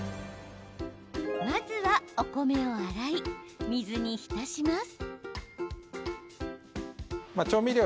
まずは、お米を洗い水に浸します。